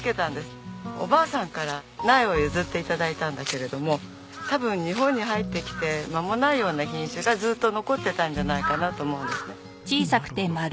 おばあさんから苗を譲って頂いたんだけれども多分日本に入ってきて間もないような品種がずっと残ってたんじゃないかなと思うんですね。